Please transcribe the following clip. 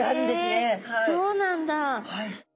へえそうなんだ。